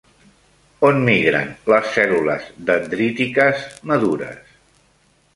On migren les cèl·lules dendrítiques madures?